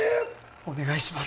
お願いします！